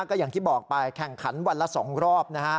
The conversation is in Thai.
ก็อย่างที่บอกไปแข่งขันวันละ๒รอบนะฮะ